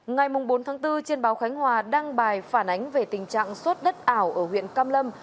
ngày bốn tháng bốn trên báo khánh hòa đăng bài phản ánh về tình trạng xuất đất ảo ở huyện cam lâm